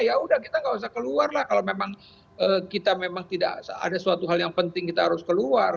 ya udah kita nggak usah keluar lah kalau memang kita memang tidak ada suatu hal yang penting kita harus keluar